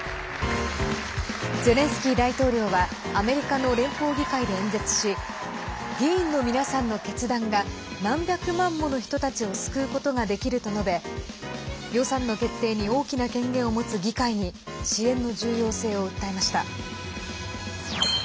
ゼレンスキー大統領はアメリカの連邦議会で演説し議員の皆さんの決断が何百万もの人たちを救うことができると述べ予算の決定に大きな権限を持つ議会に支援の重要性を訴えました。